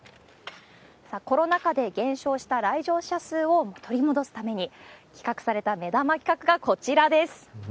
さあ、コロナ禍で減少した来場者数を取り戻すために企画された目玉企画が、こちらです。